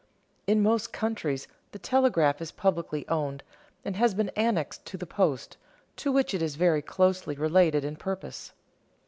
In most countries the telegraph is publicly owned and has been annexed to the post, to which it is very closely related in purpose.